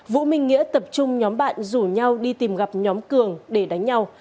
vũ minh nghĩa tập trung nhóm bạn rủ nhau đi tìm gặp nhóm cường để đánh nhau